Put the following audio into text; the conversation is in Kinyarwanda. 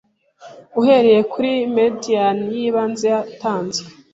uhereye kuri meridian yibanze yatanzwe